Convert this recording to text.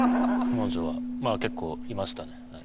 彼女はまあ結構いましたね。